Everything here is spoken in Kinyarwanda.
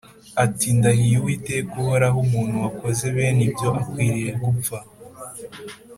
ati “Ndahiye Uwiteka uhoraho, umuntu wakoze bene ibyo akwiriye gupfa.